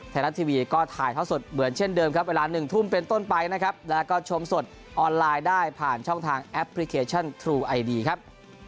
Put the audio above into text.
ไทยรัฐทีวีก็ถ่ายท่อสดเหมือนเช่นเดิมครับเวลา๑ทุ่มเป็นต้นไปนะครับแล้วก็ชมสดออนไลน์ได้ผ่านช่องทางแอปพลิเคชันทรูไอดีครับ